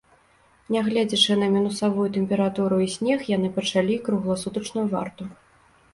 Нягледзячы на мінусавую тэмпературу і снег, яны пачалі кругласутачную варту.